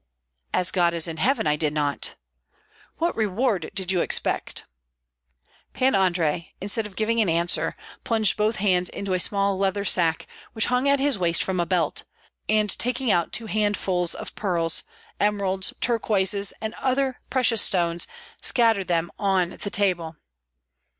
"As God is in heaven I did not!" "What reward did you expect?" Pan Andrei, instead of giving an answer, plunged both hands into a small leather sack which hung at his waist from a belt, and taking out two handfuls of pearls, emeralds, turquoises, and other precious stones, scattered them on the table.